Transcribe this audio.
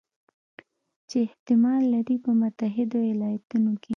چې احتمال لري په متحدو ایالتونو کې